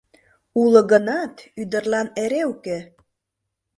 Уло гынат, ӱдырлан эре уке.